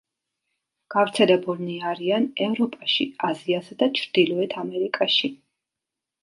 გავრცელებულნი არიან ევროპაში, აზიასა და ჩრდილოეთ ამერიკაში.